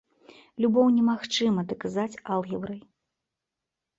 Любоў немагчыма даказаць алгебрай.